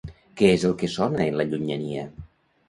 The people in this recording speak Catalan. Què és el que sona en la llunyania?